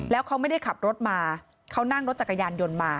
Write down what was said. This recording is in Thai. แล้วเขาไม่ได้ขับรถมาเขานั่งรถจักรยานยนต์มา